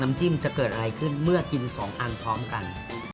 จิ้มจะเกิดอะไรขึ้นเมื่อกิน๒อันพร้อมกัน